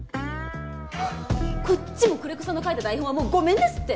こっちも久連木さんの書いた台本はもうごめんですって！